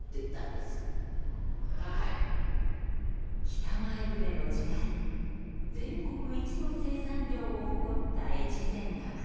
北前船の時代全国一の生産量を誇った越前鎌。